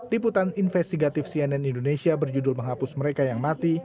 liputan investigatif cnn indonesia berjudul menghapus mereka yang mati